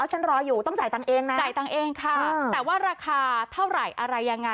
ฉันรออยู่ต้องจ่ายตังค์เองนะจ่ายตังค์เองค่ะแต่ว่าราคาเท่าไหร่อะไรยังไง